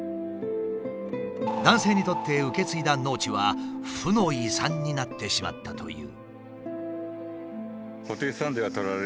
男性にとって受け継いだ農地は負の遺産になってしまったという。